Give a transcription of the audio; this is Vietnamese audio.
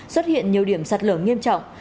xuất hiện nhiều điểm sạt lở nghiêm trọng